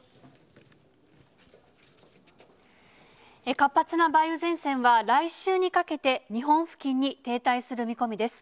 活発な梅雨前線は、来週にかけて、日本付近に停滞する見込みです。